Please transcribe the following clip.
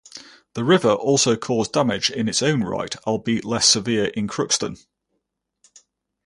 The river also caused damage in its own right, albeit less severe, in Crookston.